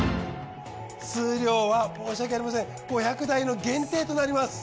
数量は申し訳ありません５００台の限定となります。